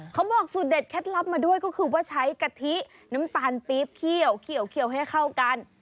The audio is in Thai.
เขาบอกสูตรเด็ดเคล็ดลับมาด้วยก็คือว่าใช้กะทิน้ำตาลปี๊บเคี่ยวให้เข้ากัน